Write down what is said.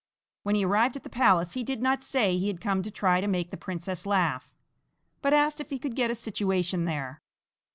When he arrived at the palace he did not say he had come to try to make the princess laugh, but asked if he could get a situation there.